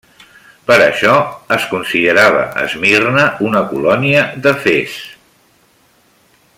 Per això es considerava Esmirna una colònia d'Efes.